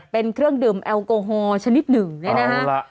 เป็นเครื่องดื่มแอลกอฮอลชนิดหนึ่งเนี่ยนะฮะ